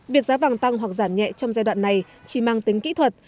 việc giá vàng tăng hoặc giảm nhẹ trong giai đoạn này chỉ mang tính kỹ thuật